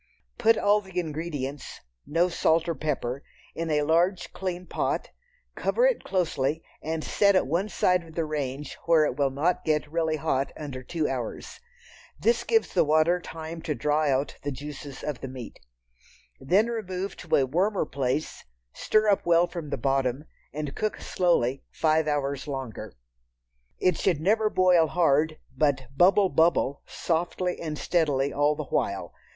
Put all the ingredients (no salt or pepper) in a large clean pot, cover it closely and set at one side of the range where it will not get really hot under two hours. This gives the water time to draw out the juices of the meat. Then remove to a warmer place, stir up well from the bottom, and cook slowly five hours longer. It should never boil hard, but "bubble bubble" softly and steadily all the while.